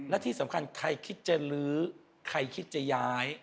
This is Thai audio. และที่สำคัญใครคิดจะลื้อใครคิดจะย้าย